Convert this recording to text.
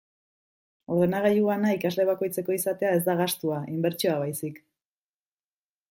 Ordenagailu bana ikasle bakoitzeko izatea ez da gastua, inbertsioa baizik.